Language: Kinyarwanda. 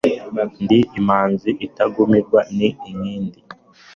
Ndi imanzi itagumirwa n' inkindi